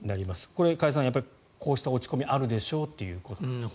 これ、加谷さんこうした落ち込みがあるでしょうということですね。